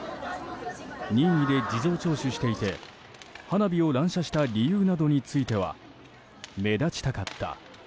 任意で事情聴取していて花火を乱射した理由などについては目立ちたかった。